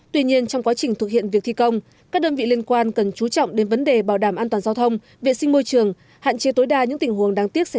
tuy nhiên trong quá trình thực hiện việc thi công các đơn vị liên quan cần chú trọng đến vấn đề bảo đảm an toàn giao thông vệ sinh môi trường hạn chế tối đa những tình huống đáng tiếc xảy ra